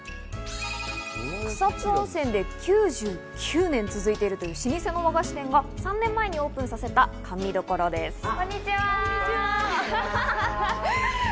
草津温泉で９９年続いているという老舗の和菓子店が３年前にオープンさせた甘味処です。